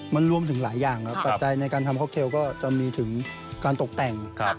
มันรวมถึงหลายอย่างครับปัจจัยในการทำค็อกเทลก็จะมีถึงการตกแต่ง